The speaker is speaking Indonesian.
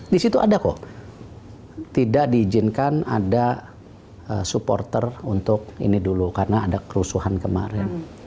di situ ada kok tidak diizinkan ada supporter untuk ini dulu karena ada kerusuhan kemarin